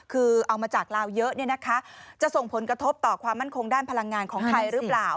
คือเอามาจากลาวเยอะจะส่งผลกระทบต่อความมั่นคงด้านพลังงานของไทยหรือเปล่า